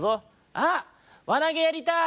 「あっわなげやりたい！」。